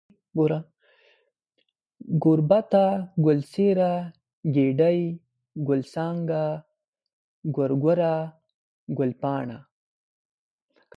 گوربته ، گل څېره ، گېډۍ ، گل څانگه ، گورگره ، گلپاڼه